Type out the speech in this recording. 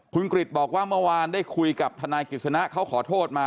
คุณกริจบอกว่าเมื่อวานได้คุยกับทนายกฤษณะเขาขอโทษมา